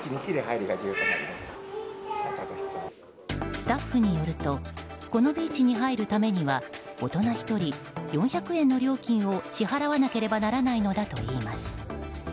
スタッフによるとこのビーチに入るためには大人１人４００円の料金を支払わなければならないのだといいます。